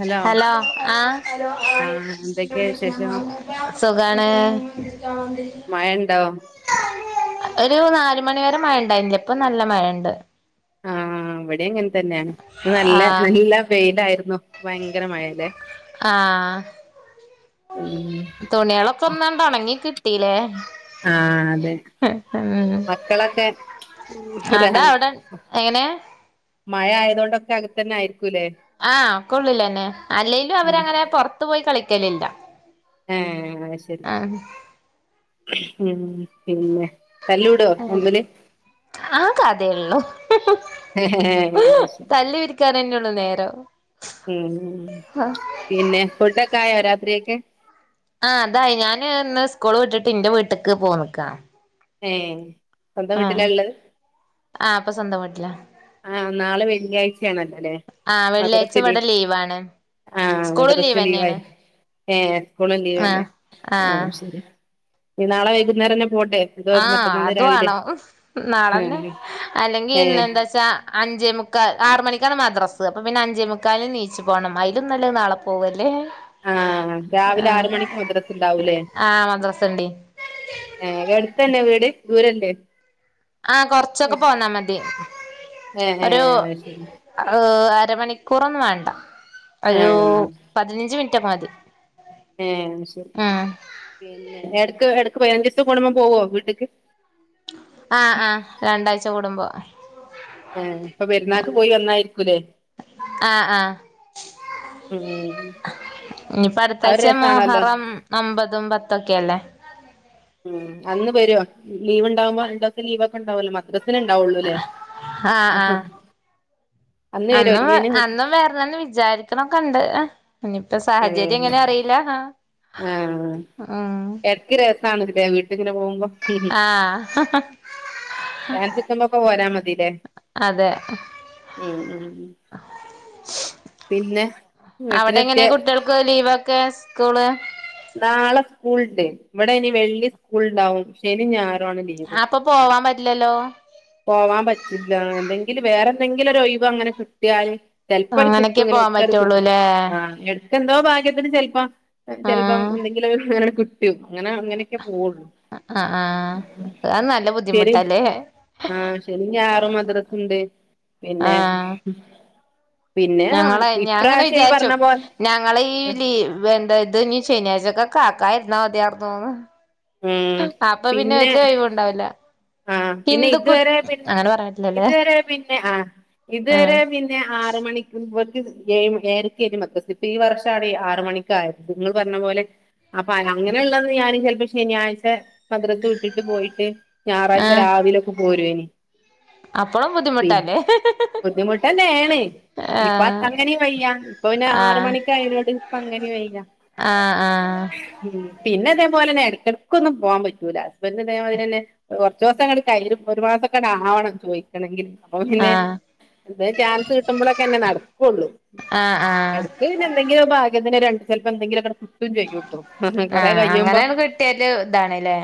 Hello hello ആ. ആഹ് എന്തൊക്കെയാ വിശേഷം സുഖാണ്. മയണ്ടൊ. ഒരു നാല്മണി വരെ മഴണ്ടായ്ന്നില്ല. ഇപ്പ നല്ല മഴണ്ട്. ആഹ്. ഇവിടെ അങ്ങൻ തന്നേണ്. ഇന്ന് നല്ല ആഹ് നല്ല വെയിലായിര്ന്നു. വയങ്കര മഴലേ. ആഹ് ഉം. തുണിളൊകൊന്നാണ്ട് ഒണങ്ങി കിട്ടീലേ ആഹ് അതെ മക്കളൊക്കെ ഉം ര അതാ അവിടെ എങ്ങനെ മഴ ആയതോണ്ടൊക്കെ അകത്തന്നെ ആയിരികുലേ ആഹ് ഒക്കെള്ളില്ലന്നെ അല്ലേലും ഉം അവരങ്ങനെ പൊറത്തു പോയി കളിക്കലില്ല ഏഹ് അഹ് ശരി ആഹ് ഉം പിന്നെ തല്ലൂടോ തമ്മില് ആ കദേള്ളൂ അത് ശെരി തല്ലി വിരിക്കാനെന്നെള്ളൂ നേരൊ മ്മ്ഹ് പിന്നെ ഫുഡൊക്കെ ആയ രാത്രിയക് ആഹ് അതായി ഞാന് ഇന്ന് സ്കൂള് വിട്ടിട്ട് ഇന്റെ വീട്ട്ക്ക് പോന്ന്ക്കാ ഏഹ് സ്വന്തം ആഹ് വീട്ടിലാള്ളത് ആഹ് ഇപ്പൊ സ്വന്തം വീട്ടിലാ ആഹ് നാളെ വെള്ളിഴ്ചെണല്ലേലേ ആഹ് വെള്ളിയാഴ്ച മദ്രസ്ല് ഇവിടെ ലീവാണ് ആഹ് സ്കൂളും മദ്റസ്സ് ലീവെന്നേണ് ലീവായി ഏഹ് സ്കൂളും ആഹ് ലീവല്ലേ ആ ആഹ് ശരി ഇ നാളെ വൈകുന്നേരന്നെ പോണ്ടേ ആഹ് അതുവാണം നാളെന്നെ ആഹ് ഏഹ് അല്ലെങ്കിന്നന്താച്ചാ അഞ്ചേ മുക്കാ ആറ് മണിക്കാണ് മദ്രാസ് അപ്പൊ പിന്നെ അഞ്ചേ മുക്കാല്ന്നീച്ചു പോണം അയിലുന്നല്ലത് നാളെ പോവല്ലേ ആഹ് രാവിലെ ആറ് ആഹ് മണിക്ക് മദ്രസ്സ്ണ്ടാവൂലേ ആഹ് മദ്രസണ്ടേ ഏഹ് കെട്ത്തന്നെ വീട് ദൂരല്ലേ ആഹ് കൊറച്ചൊക്കെ ഏഹ് പോന്നാ മതി ഒരു ഏഹ് അത് ശരി അരമണിക്കൂറൊന്നു വണ്ട ഒരു ആഹ് പതിനഞ്ച് മിൻറ്റ്കെ മതി ഏഹ് ശെരി ഉം പിന്നെ എടക്ക് എടക്ക് പതിനഞ്ച് സം കൂടുമ്പം പോവോ വീട്ട്ക്ക് ആഹ് ആഹ് രണ്ടാഴ്ച കൂടുമ്പോ ഏഹ് പ്പൊ പെരുന്നാക്ക് പോയി വെന്നായിരികുലേ ആഹ് ആഹ് ഉം ഇനിപ്പ അത് ഒരു അടുത്താഴ്ച രസാണല്ലോ മോഹറം ഒമ്പതും പത്തൊക്കെല്ലേ ഉം അന്ന് വരോ ലീവ്ണ്ടാവുമ്പോ രണ്ടൂസത്തെ ലീവ് ഒക്കെ ഇണ്ടാവോല്ലോ മദ്രസ് തില് ഉണ്ടാവൊള്ളൂല്ലേ ആഹ് ആഹ് അന്നും വ അന്നും വര്നംന്ന് വി വിചാരിക്ക്‌ണൊക്കെണ്ട് ഇഞ്ഞിപ്പൊ സാഹചര്യം ആഹ് എങ്ങനെ അറിയില്ല ആഹ് ഉം എടക്ക് രസാണ്ല്ലേ വീട്ടിക്ക്‌ങ്ങനെ പോവുമ്പൊ ആഹ് ചാൻസ്ട്ട്മ്പൊക്കെ പോരാ മതില്ലേ അതെ ഉം ഉം ഉം പിന്നെ വീട്ടിലെക്കെ ക സ്‌കൂള് നാളെ സ്കൂൾണ്ട് ഇവിടെ ഇനി വെള്ളി സ്കൂൾണ്ടാവും ശനി ഞായറു ആണ് ലീവ് പോവാം പറ്റില്ലല്ലോ പോവാൻ പറ്റില്ല എന്തെങ്കിലും വേറെ എന്തെങ്കിലും ഒരു ഒയിവ് അങ്ങനെ കിട്ടിയാല് ചെലപാട് അങ്ങനെയൊക്കെ കിട്ടുങ്ങനെ പോവാൻ ഒത്തൺ കിട്ടും പറ്റുള്ളൂല്ലേ ആഹ് എ എന്തോ ഭാഗ്യത്തിന് ചെലപ്പൊ ചെലപ്പം ആഹ് എന്തെങ്കിലും ഒക്കെ ഇങ്ങനെ ക് ട്ടും ഇങ്ങനെ അങ്ങനെയൊക്കെ പോവുള്ളൂ ആഹ് ആഹ് ഉം അത് നല്ല ശനി ബുദ്ധിമുട്ടല്ലേ ആഹ് ശനി ഞായറും മദ്രസ്ണ്ട് പിന്നേ ആഹ് പിന്നെ ഇപ്രാവശ്യം ഈ പറഞ്ഞ പോലെ ഞങ്ങളേ ഈ ലീവ് എന്ത ഇത്ഞ്ഞി ശനിയാഴ്ചക്കക്ക് ആക്കായിരുന്ന മതിയാര്ന്നൂന്ന് അപ്പൊ പിന്നെ ഒരൊയിവൂണ്ടാവൂല ആഹ് പിന്നെ ഇതുവരെ പിന്നെ പറ്റില്ലല്ലേ ഇതുവരെ പിന്നെ ആഹ് ഇതുവരെ ആഹ് പിന്നെ പിന്നെ ആറ് മണി [unintelligible] ഏഴ് മണി ഏയരക്കേന്നു മദ്രസ് ഇപ്പൊ ഈ വർഷാണ് ആറ് മണി ക്കായത് ഇങ്ങള് പറഞ്ഞ പോലെ അപ്പൊ അങ്ങനെള്ളന്ന് ഞാന് ചെലപ്പൊ ശനിയാഴ്ച മദ്രസ് വിട്ടിട്ട് പോയിട്ട് ഞായറാഴ്ച രാവി ആഹ് രാവിലൊക്കെ പോരോയ്നി. അപ്പളും പി ബുദ്ധിമുട്ടല്ലേ ബുദ്ധിമുട്ടന്നേണ് ഇപ്പൊ അ ആഹ് അങ്ങനീം വയ്യ. ഇപ്പൊ പിന്നെ ആറ് മണിക്ക് ആയിനോട് ഇപ്പൊ അങ്ങനീം വയ്യ ആഹ് ആഹ് ഉം പിന്നെ ഇതേ പോലന്നെ എടക്കെടക്കൊന്നും പോവാൻ പറ്റൂല. ഹസ്ബന്റ് ഇതേ മാതിരിയന്നെ ഒരു കുറച്ചൂസം അങ്ങട് [unintelligible] ഒരു മാസൊക്കെ അങ്ങട് ആവണം ചോയ്ക്കണെങ്കില് അപ്പൊ ആഹ് പിന്നെ ആഹ് എന്തേല് ചാൻസ് കിട്ടുമ്പോളൊക്കെയല്ലെ നടക്കൊള്ളൂ. ആഹ് എട ആഹ് പിന്നെ എന്നെങ്കിലും ഒരു ഭാഗ്യത്തിന് ഒര് രണ്ട് ചെലപ്പൊ എന്തെങ്കിലൊക്കെ [unintelligible] കൊറേ ആഹ് കയ്യുമ്പോ അങ്ങനെയാണ് കിട്ടിയാല് ഇതാണ്ല്ലേ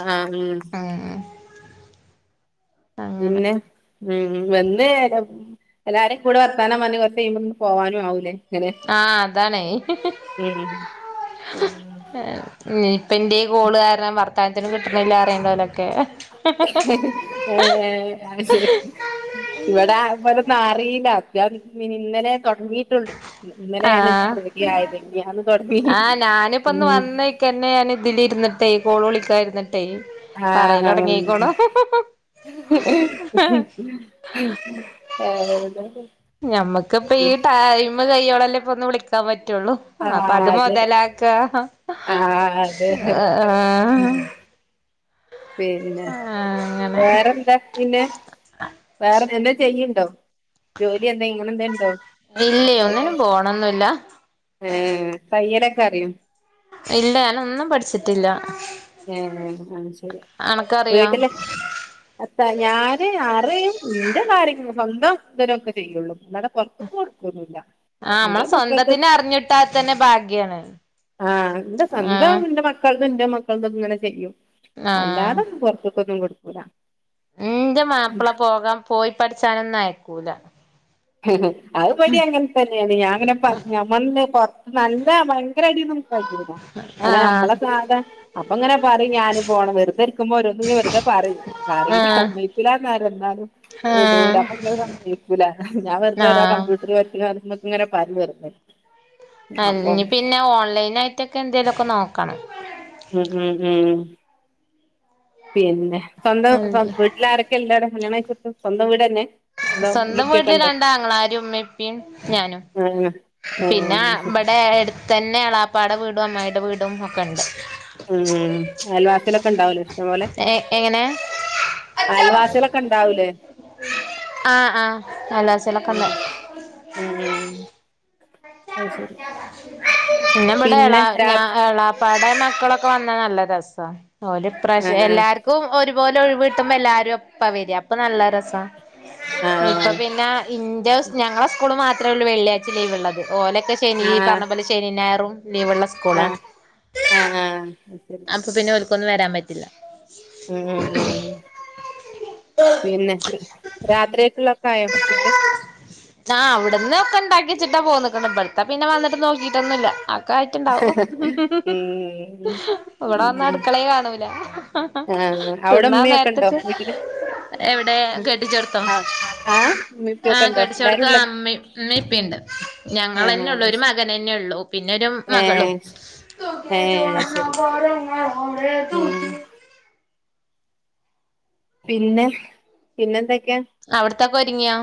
ആഹ് ഉം അങ്ങനെ പിന്നെ ഉം വന്ന് എല്ലാരേം കൂടെ വർത്താനം പറഞ്ഞു കൊറച്ച് കയ്യുമ്പൊ പിന്നെ പോവാനും ആവൂലേ ഇങ്ങനെ ആഹ് അതാണേ ഉം ഏഹ് ഉം ഇപ്പൊ ഇന്റെ ഈ കോള് കാരണം വർത്താനത്തിനും കിട്ടണില്ലാ പറീണ്ടോലൊക്കെ ഏഹ് അഹ് ശെരി ഇവടെ [unintelligible] അറീല. [unintelligible] ഇന്നലെ തൊടങ്ങീട്ടൊള്ളൂ ഇന്നലെയാണ് ആഹ് റെഡിയായത്. മിനിഞ്ഞാന്ന് തൊടങ്ങി ഉം [unintelligible] ഇതില് ഇരുന്നിട്ടേയ് കോള് വിളിക്കാ ഇരുന്നിട്ടേയ് ആഹ് [unintelligible] ഞമ്മക്ക് ഇപ്പൊ ഈ ടൈമ് കയ്യോളല്ലേ ഇപ്പൊ ഒന്ന് വിളിക്കാൻ പറ്റൊള്ളൂ. അപ്പൊ അത് അതെ മൊതലാ ക്കാ ആഹ് അതെ ഏഹ് ഉം പിന്നെ അങ്ങനെ വേറെന്താ പിന്നെ വേറെ എ എന്താ ചെയ്യുണ്ടോ ജോലി എന്താ ഇങ്ങനെ എന്തേ ഇണ്ടോ ഇല്ലേയ് ഒന്നിനും പോണൊന്നൂല്ല ഏഹ് തയ്യലൊക്കെ അറിയോ ഇല്ല ഞാനൊന്നും പഠിച്ചിട്ടില്ല ഏഹ് ഏഹ് അത് ശെരി അനക്കറിയോ വീട്ടില് [unintelligible] ഞാന് അറിയും. ഇന്റെ കാര്യങ്ങള് സ്വന്തം [unintelligible] ഒക്കെ ചെയ്യുള്ളൂ അല്ലാതെ പൊറത്തുന്ന് കൊടുക്കലില്ല എന്റെ മക്കക്ക് കിട്ടാൻ തന്നെ ഭാഗ്യാണ് ആഹ് എന്റെ ആഹ് സ്വന്തം നിന്റെ മക്കൾക്കും എന്റെ മക്കൾക്കും ഇങ്ങനെ ചെയ്യും ആഹ് അല്ലാതെ പൊറത്തേക്ക് ഒന്നും കൊടുക്കൂല എന്റെ മാപ്പിള പോകാൻ പോയി പഠിച്ചാനൊന്നും അയക്കൂല അത് ഇവടെം അങ്ങനെ തന്നെയാണ് ഞാൻ പിന്നെ പറഞ്ഞ് മന്തി പൊറത്ത് നല്ല ഭയങ്കര ആയിട്ടൊന്നും കഴിക്കൂല പിന്നെ ആഹ് നമ്മളെ സാധാ അപ്പൊ ഇങ്ങനെ പറയും ഞാന് പോണം വെറുത ഇരിക്കുമ്പം ഒരുരോന്നിങ്ങനെ വെറുതെ പറയും അറിയൂല ആഹ് സമ്മതിക്കൂല അറിയാം എന്നാലും വിടൂല ആഹ് അപ്പം ഇങ്ങനെ സമ്മതിക്കൂല ഞാൻ വെറുതെ ഓരോ ആഹ് കമ്പ്യൂട്ടർ പഠിച്ചണം എന്നൊക്കെ ഇങ്ങനെ പറയും വെറുതെ അപ്പം അല്ലെങ്കി പിന്നെ ഓൺലൈൻ ആയിട്ടൊക്കെ എന്തേലുമൊക്കെ നോക്കണം ഉം ഉം ഉം പിന്നെ സ്വന്തം വീട്ടില് ആരൊക്കെ ഉണ്ട് കല്യാണം കഴിച്ച് വിട്ട് സ്വന്തം വീട് തന്നെ അതോ ഉമ്മീം സ്വന്തം ഉപ്പയൊക്കെ വീട്ടില് ഉണ്ടോ രണ്ട് ആങ്ങളമാരും ഉമ്മയും ഉപ്പയും ഞാനും ഉം ഉം പിന്നെ ഇവിടെ അടുത്ത് തന്നെ എളാപ്പാടെ വീടും അമ്മായിടെ വീടും ഒക്കെ ഉണ്ട് ഉം അൽവാസിലൊക്കെ ഉണ്ടാവുലോ ഇഷ്ടം പോലെ എഹ് എങ്ങനെ ആൽവാസികളൊക്കെ ഉണ്ടാവൂലേ ആ ആ അയൽവാസി കളൊക്കെ ഉം ഉണ്ട് ഉം ഉം അത് ശരി പിന്നെ ഇവിടെ എള ഞ എളാ പ്പാടെ മക്കളൊക്കെ വന്നാ നല്ല രസ ഓര് ആ ഈപ്രാവശ്യം എല്ലാർക്കും ക്കും ഒരുപോലെ ഒരിവ് കിട്ടുമ്പോ എല്ലാരും ഒപ്പ വരിക അപ്പൊ നല്ല രസ ആ ആ ഇപ്പൊ പിന്നെ ഇന്റെ ഞങ്ങളുടെ സ്കൂള് മാത്രേള്ളൂ വെള്ളിയാഴ്ച ലീവ്ള്ളത് ഓലൊക്കെ വെള്ളി ആ ഈ പറഞ്ഞപോലെ ശനി ഞായറും ലീവെള്ള സ്കൂളാണ് ആ ആ അത് ശരി അപ്പൊ പിന്നെ ഓല്ക്കൊന്നും വരാൻ പറ്റില്ല ഉം ഉ ഉം പിന്നെ രാത്രിയേക്കുള്ള കായോ ഫുഡ് ആ അവിടന്ന് ഒക്കെ ഇണ്ടാക്കി വെച്ചിട്ടാ പോന്നിക്ക്ണ് ഇവിടത്തെ പിന്നെ വന്നിട്ട് നോക്കിയിട്ടൊന്നുമില്ല ഒക്കെ ആയിട്ടുണ്ടാവും. ഉം ഇവിടെ വന്ന ഉം അടുക്കളയേ കാണൂല ആ അവിടെ തിന്നാ ഉമ്മയൊക്കെ ഉണ്ടോ നേരത്തേക്ക്. വീട്ടില് എവിടെ കെട്ടിച്ചെടത്തോ ആ ആ ഉമ്മേം ആ ഉപ്പേം ഉണ്ടോ എല്ലാരും കെട്ടിച്ചോടത്ത് ഉള്ള ഉമ്മയും ഇപ്പുണ്ട്. ആ ഞങ്ങളന്നെ ഉള്ളൂ ഒരു മകനെ തന്നെയുള്ളു പിന്നെ ഒരു ഏ മകളും ഏ ശരി ഉം പിന്നെ പിന്നെ എന്തൊക്കെയാ അവിടത്തൊക്കെ ഒരുങ്ങിയോ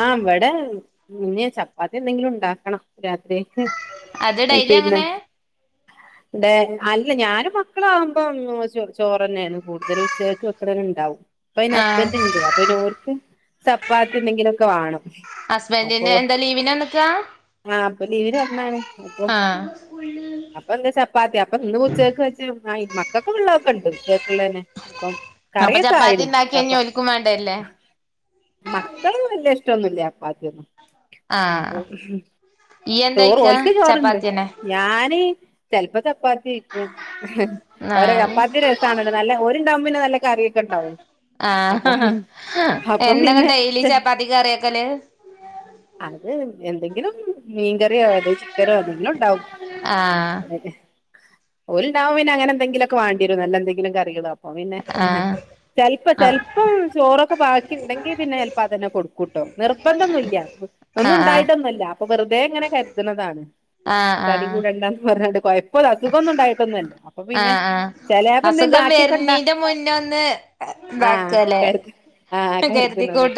ആ ഇവിടെ പിന്നെ ചപ്പാത്തി എന്തെങ്കിലും ഉണ്ടാക്കണം രാത്രി അത് ഉം ഡെയ്ലി പിന്നെ അങ്ങനെ ഇവിടെ അല്ല, ഞാനും മക്കളാകുമ്പോ ചോറ് തന്നെയ ആരുന്നു കൂടുതല് ഉച്ചക്ക് വെക്കണ ഉണ്ടാവും അപ്പൊ അതിന് ആഹ് ഹസ്ബൻഡ് ഉണ്ട് അപ്പൊ ഓല്ക്ക് ചപ്പാത്തി എന്തെങ്കിലും ഒക്കെ വേണം ഹസ്ബൻറിന് എന്താ ലീവിന് വന്നക്കാ ആ ഇപ്പൊ ലീവിന് വന്നാണ് അപ്പൊ ആഹ് അപ്പൊ എന്താ ചപ്പാത്തി അപ്പൊ ഇന്ന് ഉച്ചക്ക് വെച്ച ഉണ്ടായി ആ മക്കൊക്കും പിള്ളൊർക്കും ഉണ്ട് ഉച്ചേക്കുള്ളേനെ അപ്പം അപ്പൊ കറിയൊക്കെ ചപ്പാത്തി ആയിന് ഉണ്ടാക്കി ചപ്പ കഴിഞ്ഞ് ഓല്ക്കും വേണ്ടേല്ലേ മക്കള് ഇവിടെ വല്യ ഇഷ്ടൊന്നും ഇല്ല ചപ്പാത്തിയൊന്നും അപ്പൊ ആഹ് ഇയ്യ് എന്താ ചോറ് കഴിക്കാ ഓൽക്ക് ചോറുണ്ട് ചപ്പാത്തിയന്നെ ഞാന് ചെലപ്പം ചപ്പാ ത്തിക്കും ഒരേ ആഹ് ചപ്പാത്തി രസണല്ല നല്ല ഒര് ഉണ്ടവുമ്പോക്കെ നല്ല കറിയൊക്കെ ഉണ്ടാവും. ആഹ് അപ്പൊ എന്താ പിന്നെ ഡെയ്ലി കറി ചപ്പാത്തിക്ക് വെക്കാല്. അത് എന്തെങ്കിലും മീൻകറിയോ ചിക്കനോ എന്തെങ്കിലും ഉണ്ടാവും. ആഹ് ഒല്ണ്ടാവുപ്പോ പിന്നെ അങ്ങനെ എന്തെങ്കിലും വേണ്ടെരും നല്ല എന്തെങ്കിലും കറികളോ. അപ്പൊപിന്നെ ആഹ് ചെലപ്പോ ആഹ് ചെലപ്പോ ചോറൊക്കെ ബാക്കി ഉണ്ടെങ്കി പിന്നെ ചിലപ്പോ അതന്നെ കൊടുക്കും ട്ടോ നിർബന്ധം ഒന്നും ഇല്ല ഒന്നും ആഹ് ഉണ്ടായിട്ടൊന്നല്ല അപ്പൊ വെറുതെ ഇങ്ങനെ കരര്ത്‌ണതാണ്. ആഹ് തടി ആഹ് കൂടണ്ടന്ന് പറഞ്ഞ്ങ്ങണ്ട് കുഴപ്പല അസുഖം ക്കൊന്നും ഇണ്ടായിട്ടൊന്നല്ല അപ്പൊ പിന്നെ. ആഹ് ആഹ് ചെലെപ്പോ എന്തെലും അസുഖം ബാക്കിയൊക്കെ ഇണ്ടാ വരുന്നീന്റെ മുന്നേ ഒന്ന് ആഹ് ഇതാക്കല്ലേ ആഹ് കര്ത്ണതാ കരുതിക്കൂട്ട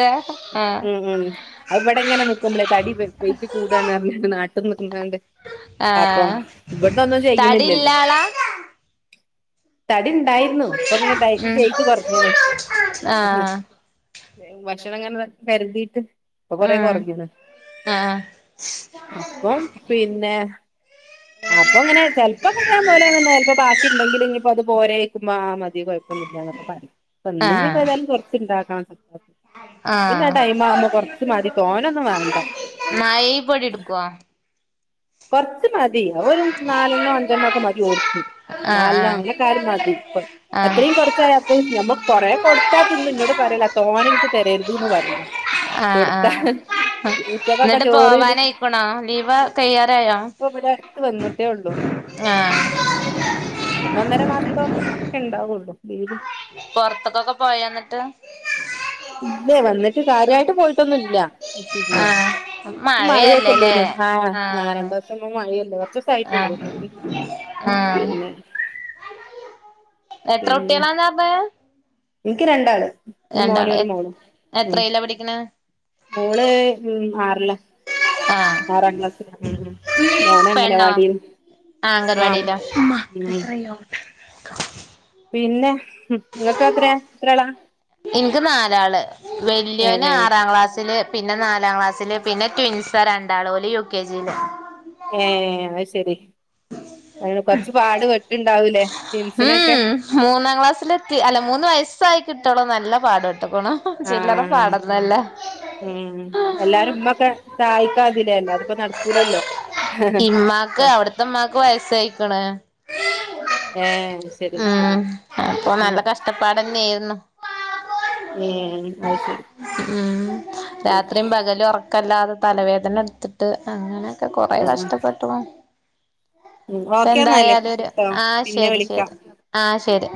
ആഹ് ഉം ഉംഅത് ഇവിടെ ങ്ങനെ നിക്കുമ്പളെ തടി വയിറ്റ് കൂടാണ് പറഞ്ഞിട്ട് നാട്ടിൽ നിന്നാണ്ട് അപ്പോ ആഹ് ഇവിട്ട്ന്നൊന്നും തടിള്ള ചെയ്യ്ണ്ല്ലല്ലോ. ആളാ തടി ഉണ്ടായിരുന്നു അപ്പൊ ഇങ്ങനെ ഡയറ്റ് ഉം ചെയ്യിത് കൊറഞ്ഞ്ണ്. ആഹ് ഭക്ഷണം ഇങ്ങനെ കരുതിട്ട്. ഇപ്പം കോറെ ഉം കൊറഞ്ഞ്ണ് ആഹ് അപ്പോ പിന്നെ അപ്പൊ അങ്ങനെ ചെലപ്പോക്കെ ഇതെ പോലെ ബാക്കി ണ്ടങ്കില്‌ ഇനി ഇപ്പോ അത് പോരെ ചോയിക്കുമ്പോ അത് മതി ഉണ്ടെങ്കില ഇയിപ്പോ അത് പോരക്കുമ്പോ ആ മതി. [unintelligible] ഇന്ന്പോ ആഹ് ഏതായാലും കുറച്ച് ഇണ്ടാക്കണം. അപ്പോ പിന്നെ ആഹ് ടൈമ് അവുമ്പോ കൊറച്ച് മതി തോനെ ഒന്നും വേണ്ട. [unintelligible] പൊടി എടുക്കോ? കൊറച്ച് മതി ഒരു നാലെണ്ണോ അഞ്ചെണ്ണോ ഒക്കെ മതി ഓര്ക്ക്. ആഹ് ന്നലാണ്ണം ആഹ് അങ്ങനെയൊക്കെ ആയാലും മതി ആഹ് എത്രയും കുറച്ചായ അത്രയും നമ്മള് കൊറ കൊടുത്ത തിന്നും എന്നോട് പറയല്ല തോനെ എനിക്ക് തരരു [unintelligible] ആഹ് ആഹ് ഉച്ചക്കൊക്കെ എന്നിട്ട് ചോറ് പോവാനയിക്കുണോ ലീവ് കയ്യറായോ? ഇപ്പടുത്ത് വന്നിട്ടേ ഉള്ളു. ആഹ് ഒന്നൊന്നര മാസത്തോളം ഉണ്ടാവുള്ളു ലീവ്. പൊറത്ത്ക്ക്കൊക്കെ പോയോ എന്നിട്ട്? ഇല്ലേ വന്നിട്ട് കാര്യമായിട്ട് പോയിട്ടൊന്നുല്ല പിന്നെ. ആഹ് മഴയല്ലേല്ലേ മഴയൊക്കെല്ലേന്നോ ആഹ് രണ്ട്സം മുമ്പേ മഴയല്ലേ. കൊറച്ചൂസായിട്ടുള്ളൂ ആഹ് വന്നിട്ട് ആഹ് ഉം. പിന്നെ എത്ര പിന്നെ കുട്ടിയൊളന്ന പറഞ്ഞ്. എനിക്ക് രണ്ടാള്. ഒരു മോനും രണ്ടാള്. ഉം. പഠിക്ക്ണെ? മോള് ആറ്ല്ല. ആഹ് ആറാം ക്ലാസ്ല്ല മം മം മോന് അംഗനവാടിയിലും. ആഹ് അംഗൻവാടില പിന്നെ നങ്ങക്ക് എത്രയാ ഒരാളാ? എനിക്ക് നാലാള് ഏഹ് വല്യോന് ആറാം ക്ലാസ് പിന്നെ നാലാം ക്ലാസ്സില്, പിന്നെ ട്വിൻസ രണ്ടാള് ഓല് യു കെ ജിയില് ഏഹ് അത് ശരി. അ കൊറച്ച് പാട് പെട്ണ്ടാവൂലേ ട ട്വിൻസിനൊക്കെ. ഉം മൂന്നാം ക്ലാസില്. അല്ല മൂന്ന് വയസ്സായി കിട്ടളോ നല്ല പാട് ക്കെട്ട്ക്ക്ണ് ചില്ലറ ആഹ് പാടൊന്നുംന്നല്ല. ഉം എല്ലാരും ഉമ്മൊക്കെ സഹായിക്കാതിലേല്ലോ അതപ്പോ നടക്കൂലല്ലോ. ഇമ്മാക്ക് അവിടത്തെമ്മാക്ക് വയസായിക്ണ്. ആഹ് ശരി. ഉം നല്ല കഷ്ടപ്പാടന്നെയായിരുന്നു ഉം അത് ശരി ഉ രാത്രിയും പകലും ഉറക്ക ക്കല്ലാതെ തലവേദന എടുത്തിട്ട് അങ്ങനെയൊക്കെ കുറെ ഉം കഷ്ടപ്പെട്ടു അപ്പൊ ഓക്കെ എന്നാല് എന്തായാലും ഒരു ട്ടോ ആഹ് പിന്നെ ശരി വിളിക്കാം ശരി ആഹ് ശരി.